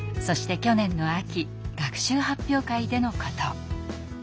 そして去年の秋学習発表会でのこと。